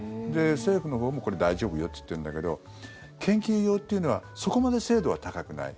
政府のほうも、これ大丈夫よって言ってるんだけど研究用っていうのはそこまで精度は高くない。